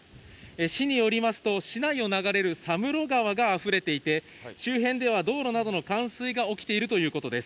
市によりますと、市内を流れる佐室川があふれていて、周辺では道路などの冠水が起きているということです。